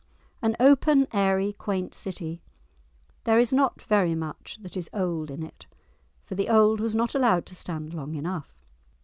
An open, airy, quaint city. There is not very much that is old in it, for the old was not allowed to stand long enough!